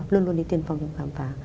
luôn luôn đến tiền phòng để khám phá